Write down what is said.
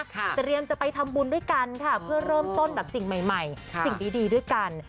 เตรียมจะไปทำบุญด้วยกันค่ะเพื่อเริ่มต้นแบบสิ่งใหม่สิ่งดีด้วยกัน